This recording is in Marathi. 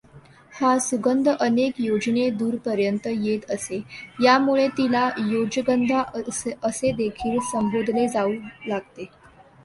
हा सुगंध अनेक योजने दूरपर्यंत येत असे, यामुळे तिला योजगंधा असेदेखील संबोधले जाऊ लागते.